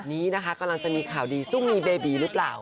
นี้นะคะกำลังจะมีข่าวดีซุ้มมีเบบีหรือเปล่า